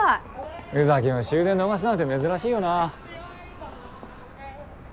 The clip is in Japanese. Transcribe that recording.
宇崎も終電逃すなんて珍しいよな。